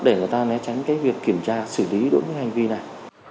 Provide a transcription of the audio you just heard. để người ta né tránh cái việc kiểm tra xử lý đối với hành vi này